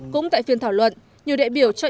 cũng tại phiên thảo luận nhiều đại biểu cho